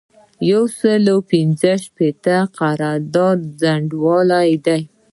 یو سل او پنځمه پوښتنه د قرارداد ځنډول دي.